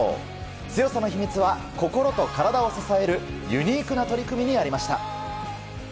強さの秘密は心と体を支えるユニークな取り組みにありました。